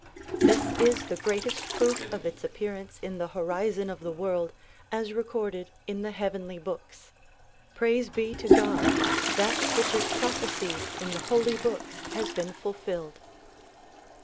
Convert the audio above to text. This is the greatest proof of its appearance in the horizon of the world, as recorded in the heavenly books. Praise be to God! that which is prophesied in the holy books has been fulfilled.